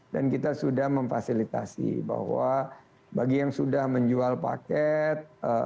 dan kita sudah memfasilitasi bahwa bagi yang sudah menjual paket